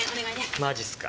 マジすか。